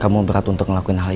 kamu berat untuk ngelakuin hal ini